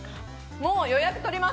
もう予約とります！